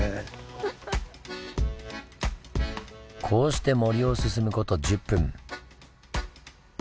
こうして森を進むこと１０分。